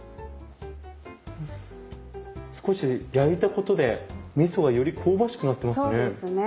少し焼いたことでみそがより香ばしくなってますね。